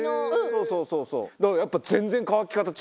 そうそうそう。